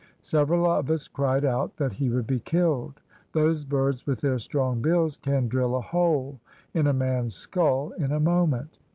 Several of us cried out that he would be killed. Those birds with their strong bills can drill a hole in a man's skull in a moment.